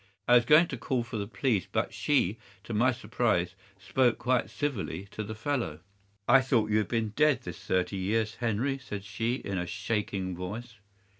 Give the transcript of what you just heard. I was going to call for the police, but she, to my surprise, spoke quite civilly to the fellow. "'"I thought you had been dead this thirty years, Henry," said she, in a shaking voice.